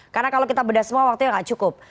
karena kalau kita bedah semua waktunya gak cukup